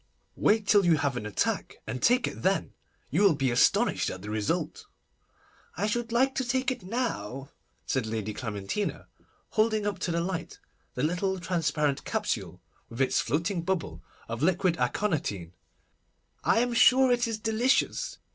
Wait till you have an attack, and take it then. You will be astonished at the result.' 'I should like to take it now,' said Lady Clementina, holding up to the light the little transparent capsule, with its floating bubble of liquid aconitine. I am sure it is delicious.